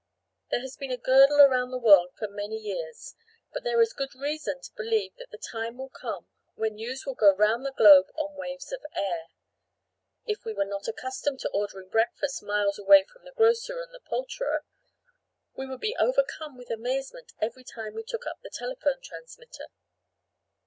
There has been a girdle around the world for many years; but there is good reason to believe that the time will come when news will go round the globe on waves of air. If we were not accustomed to ordering breakfast miles away from the grocer and the poulterer, we should be overcome with amazement every time we took up the telephone transmitter.